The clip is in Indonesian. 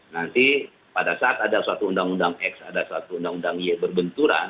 nanti pada saat ada suatu undang undang x ada satu undang undang y berbenturan